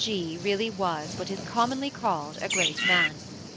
G. really was what is oommonlj called a great man.